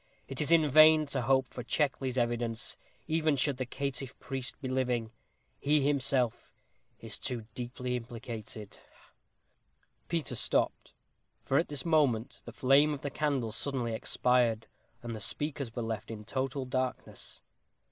It is in vain to hope for Checkley's evidence, even should the caitiff priest be living. He is himself too deeply implicated ha!" Peter stopped, for at this moment the flame of the candle suddenly expired, and the speakers were left in total darkness.